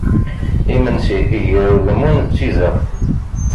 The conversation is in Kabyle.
Imensi gar Ugemmun d Tizeɣt.